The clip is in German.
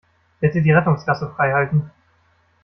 Bitte die Rettungsgasse freihalten.